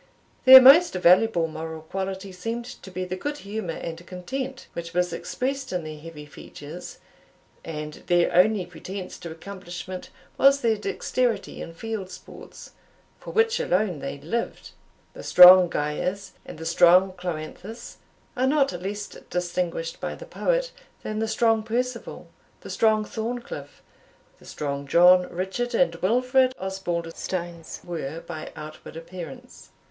Their most valuable moral quality seemed to be the good humour and content which was expressed in their heavy features, and their only pretence to accomplishment was their dexterity in field sports, for which alone they lived. The strong Gyas, and the strong Cloanthus, are not less distinguished by the poet, than the strong Percival, the strong Thorncliff, the strong John, Richard, and Wilfred Osbaldistones, were by outward appearance.